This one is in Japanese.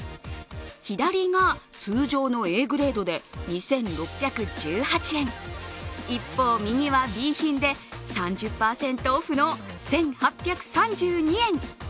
左が通常のＡグレードで２６１８円、一方、右はＢ品で３０％オフの１８３２円。